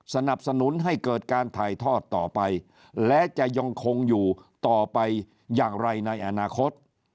สนับสนุนให้เกิดการถ่ายทอดต่อไปและจะยังคงอยู่ต่อไปอย่างไรในอนาคต